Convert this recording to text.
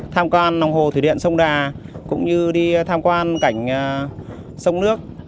tham quan lòng hồ thủy điện sông đà cũng như đi tham quan cảnh sông nước